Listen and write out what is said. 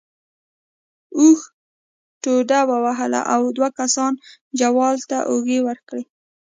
اوښ ټوډه ووهله او دوو کسانو جوال ته اوږې ورکړې.